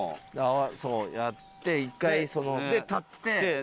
そうやって一回立って。